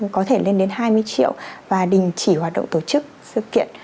có thể lên đến hai mươi triệu và đình chỉ hoạt động tổ chức sự kiện